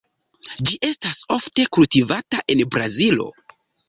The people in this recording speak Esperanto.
Ĝi estas ofte kultivata en Brazilo.